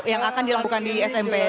yang akan dilakukan di smp